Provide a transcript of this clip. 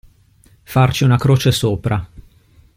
Farci una croce sopra.